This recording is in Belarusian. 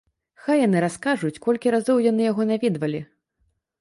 Хай яны раскажуць, колькі разоў яны яго наведвалі.